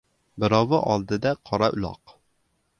Birovi oldida qora uloq.